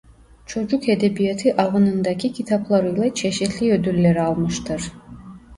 Çocuk edebiyatı alanındaki kitaplarıyla çeşitli ödüller almıştır.